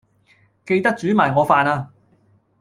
記得煮埋我飯呀